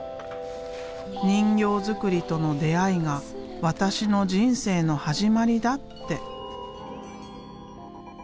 「人形作りとの出会いが私の人生の始まりだ」って。